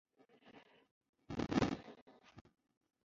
天桥是对北京市宣武区永定门内大街中段附近地区的统称。